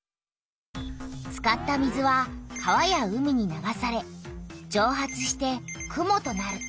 使った水は川や海に流されじょう発して雲となる。